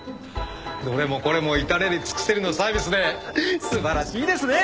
どれもこれも至れり尽くせりのサービスで素晴らしいですね！